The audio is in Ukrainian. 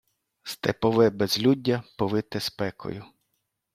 Степове безлюддя повите спекою.